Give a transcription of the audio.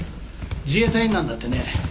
自衛隊員なんだってね。